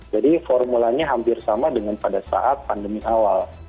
jadi formulanya hampir sama dengan pada saat pandemi awal